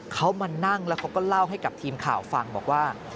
เขามานั่งแล้วเขาก็เล่าให้กับทีมข่าวฟังบอกว่า